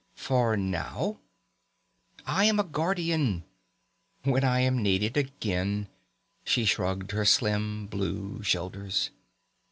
"For now?" "I am a guardian. When I am needed again " She shrugged her slim blue shoulders.